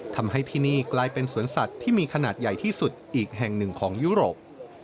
ทำให้ที่นี่กลายเป็นสวนสัตว์ที่มีขนาดใหญ่ที่สุดอีกแห่งหนึ่งของยุโรป